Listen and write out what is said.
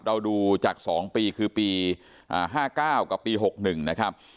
เราดูจาก๒ปีคือปี๕๙กับปี๖๑นะครับ